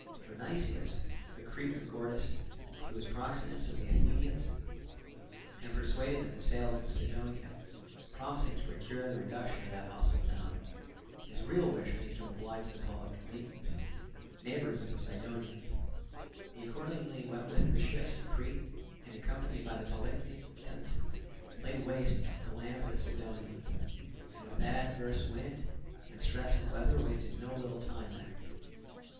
For Nicias, a Cretan of Gortys, who was proxenus of the Athenians, had persuaded them to sail against Cydonia, promising to procure the reduction of that hostile town; his real wish being to oblige the Polichnitans, neighbours of the Cydonians. He accordingly went with the ships to Crete, and, accompanied by the Polichnitans, laid waste the lands of the Cydonians; and, what with adverse winds and stress of weather wasted no little time there.